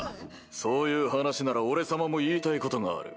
そういう話なら俺様も言いたいことがある。